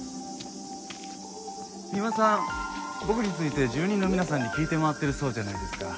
三馬さん僕について住民の皆さんに聞いて回ってるそうじゃないですか。